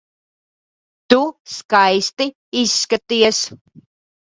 Tu skaisti izskaties.